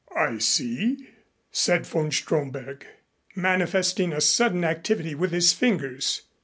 "I see," said von Stromberg, manifesting a sudden activity with his fingers.